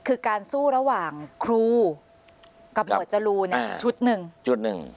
คือการสู้ระหว่างครูกับหมวดจรูในชุดหนึ่ง